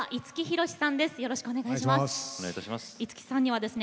よろしくお願いします。